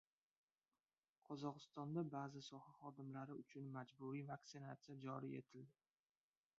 Qozog‘istonda ba’zi soha xodimlari uchun majburiy vaksinasiya joriy etildi